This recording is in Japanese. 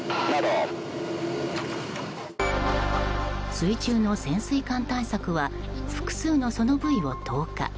水中の潜水艦探索は複数のソノブイを投下。